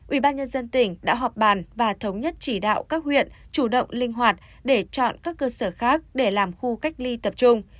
ủy ban nhân dân tỉnh đã họp bàn và thống nhất chỉ đạo các huyện chủ động linh hoạt để chọn các cơ sở khác để làm khu cách ly tập trung